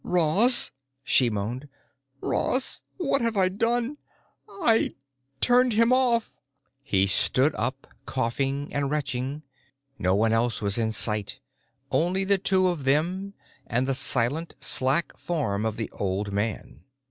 "Ross!" she moaned. "Ross, what have I done? I turned him off!" He stood up, coughing and retching. No one else was in sight, only the two of them and the silent, slack form of the old man.